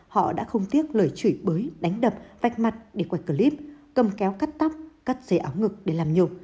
họ đã không tiếc lời chửi bới đánh đập vạch mặt để quay clip cầm kéo cắt tóc cắt dây áo ngực để làm nhục